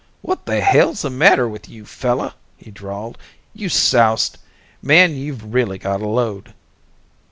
"What the hell's the matter with you, fella?" he drawled. "You soused? Man, you've really got a load."